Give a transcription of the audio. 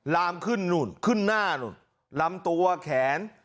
ลามขึ้นนู่นขึ้นหน้านู่นลำตัวแขน